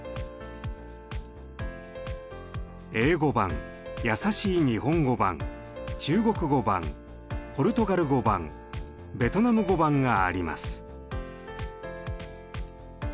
英語版やさしい日本語版中国語版ポルトガル語版ベトナム語版があります。